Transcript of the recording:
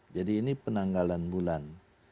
jadi ini penanggalan bulan